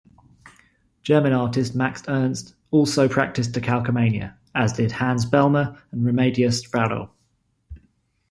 German artist Max Ernst also practised decalcomania, as did Hans Bellmer and Remedios Varo.